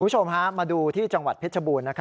คุณผู้ชมมาดูที่จังหวัดเพชรบูรณ์